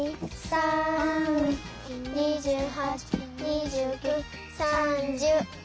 ２８２９３０。